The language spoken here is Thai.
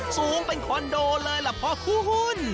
สูงเป็นคอนโดเลยล่ะเพราะคู่หุ้น